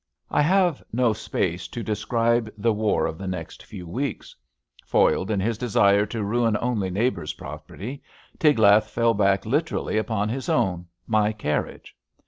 I have no space to describe the war of the next few weeks. Foiled in his desire to ruin only neighbour^' property, Tiglath fell back literally, upon his own — ^my carriage.